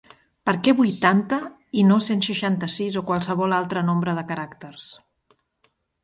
Per què vuitanta i no cent seixanta-sis o qualsevol altre nombre de caràcters?